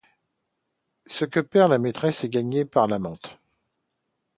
Ce que perd la maîtresse est gagné par l'amante ;